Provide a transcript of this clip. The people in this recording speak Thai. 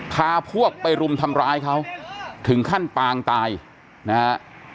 พาพวกไปรุมทำร้ายเขาถึงขั้นปางตายนะฮะ